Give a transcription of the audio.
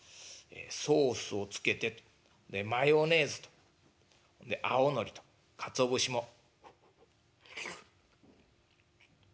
ソースをつけてとでマヨネーズとんで青のりとかつお節も。フッフッフ」。